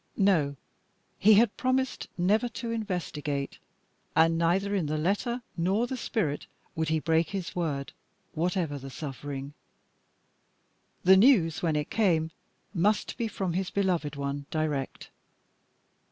No, he had promised never to investigate and neither in the letter, nor the spirit, would he break his word, whatever the suffering. The news, when it came, must be from his beloved one direct.